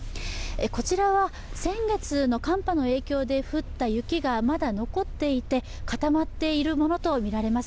こちらは先月の寒波の影響で降った雪がまだ残っていて、固まっているものとみられます。